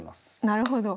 なるほど。